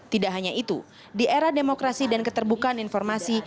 tidak hanya itu di era demokrasi dan keterbukaan informasi